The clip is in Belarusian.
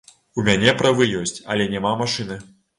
У мяне правы ёсць, але няма машыны.